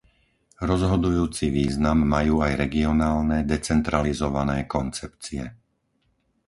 Rozhodujúci význam majú aj regionálne, decentralizované koncepcie.